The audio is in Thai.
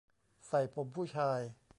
ใส่ผมผู้ชาย